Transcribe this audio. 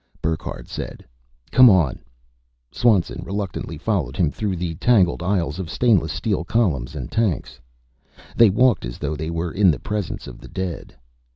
Burckhardt said, "Come on." Swanson reluctantly followed him through the tangled aisles of stainless steel columns and tanks. They walked as though they were in the presence of the dead.